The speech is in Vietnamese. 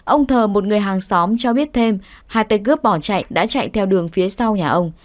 ông thờ một người hàng xóm cho biết thêm hai tay cướp bỏ chạy đã chạy theo đường phía sau nhà ông